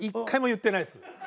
１回も言ってないです。